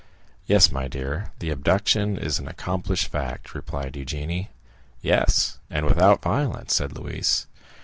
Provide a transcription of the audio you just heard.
"Yes, my dear, the abduction is an accomplished fact," replied Eugénie. "Yes, and without violence," said Louise.